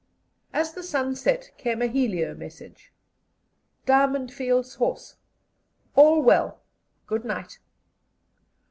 As the sun set came a helio message: "Diamond Fields Horse. All well. Good night."